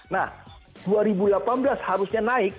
nah dua ribu delapan belas harusnya naik